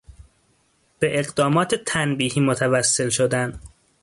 به اقدامات تنبیهی متوسل شدن